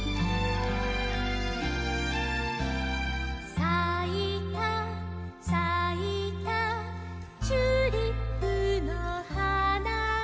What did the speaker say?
「さいたさいたチューリップの花が」